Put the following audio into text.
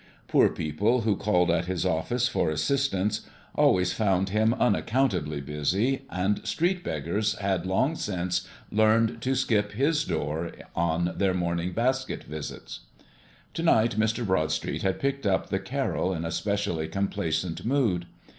Poor people who called at his office for assistance always found him unaccountably busy, and street beggars had long since learned to skip his door on their morning basket visits. To night Mr. Broadstreet had picked up the "Carol" in a specially complacent mood.